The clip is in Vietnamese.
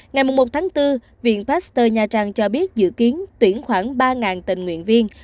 ngày một tháng bốn viện pasteur nha trang cho biết dự kiến tuyển khoảng ba tình nguyện viên